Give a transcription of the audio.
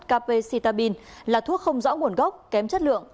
kpitabin là thuốc không rõ nguồn gốc kém chất lượng